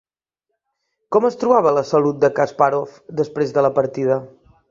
Com es trobava la salut de Kaspàrov després de la partida?